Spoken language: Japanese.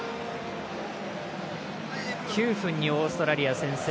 ９分にオーストラリア先制。